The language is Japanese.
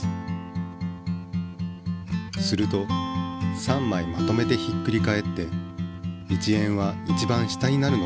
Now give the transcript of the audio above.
すると３まいまとめてひっくり返って１円は一番下になるのか？